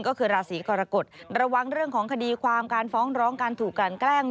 ก็คือราศีกรกฎระวังเรื่องของคดีความการฟ้องร้องการถูกกันแกล้ง